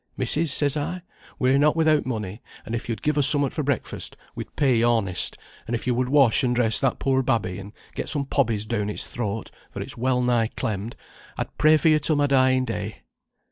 'Missis,' says I, 'we're not without money, and if yo'd give us somewhat for breakfast, we'd pay yo honest, and if yo would wash and dress that poor babby, and get some pobbies down its throat, for it's well nigh clemmed, I'd pray for yo' till my dying day.'